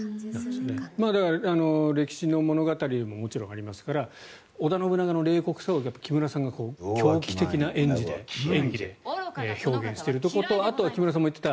だから、歴史の物語でももちろんありますから織田信長の冷酷さを木村さんが狂気的な演技で表現しているところとあと木村さんも言っていた